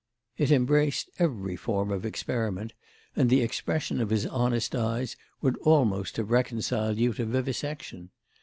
It embraced every form of experiment, and the expression of his honest eyes would almost have reconciled you to vivisection.